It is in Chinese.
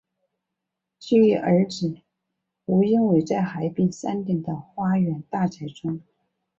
居于儿子吴英伟在海边山顶的花园大宅中。